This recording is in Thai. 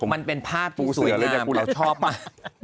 มันเป็นภาพที่สวยงามเราชอบมา